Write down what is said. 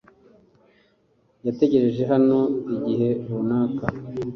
Yategereje hano igihe runaka .